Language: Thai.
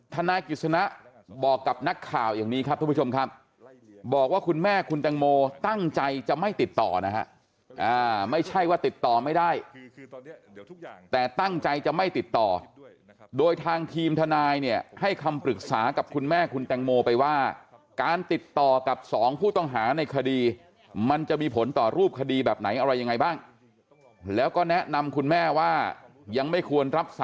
ทนายกิจสนะบอกกับนักข่าวอย่างนี้ครับทุกผู้ชมครับบอกว่าคุณแม่คุณแตงโมตั้งใจจะไม่ติดต่อนะฮะไม่ใช่ว่าติดต่อไม่ได้แต่ตั้งใจจะไม่ติดต่อโดยทางทีมทนายเนี่ยให้คำปรึกษากับคุณแม่คุณแตงโมไปว่าการติดต่อกับสองผู้ต้องหาในคดีมันจะมีผลต่อรูปคดีแบบไหนอะไรยังไงบ้างแล้วก็แนะนำคุณแม่ว่ายังไม่ควรรับส